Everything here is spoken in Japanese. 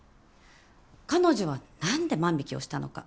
彼女は何で万引をしたのか？